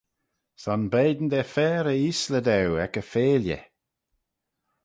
Son beign da fer y eaysley daue ec y feailley.